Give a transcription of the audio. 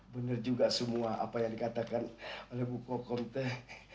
benar juga semua apa yang dikatakan oleh bu kokon teh